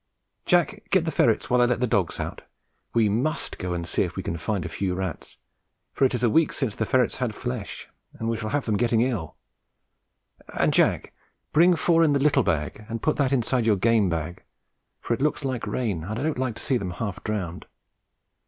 Jack, get the ferrets while I let the dogs out. We must go and see if we can find a few rats, for it is a week since the ferrets had flesh, and we shall have them getting ill; and, Jack, bring four in the little bag, and put that inside your game bag, for it looks like rain, and I don't like to see them half drowned.